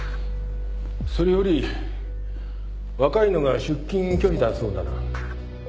それより若いのが出勤拒否だそうだな。